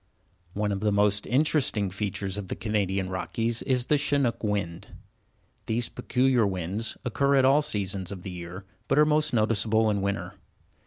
One of the most interesting features of the Canadian Rockies is the Chinook wind. These peculiar winds occur at all seasons of the year but are most noticeable in winter.